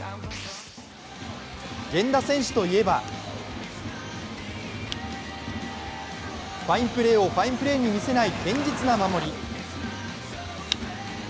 源田選手といえばファインプレーをファインプレーに見せない堅実な守り。